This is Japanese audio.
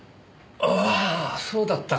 ああそうだったかな。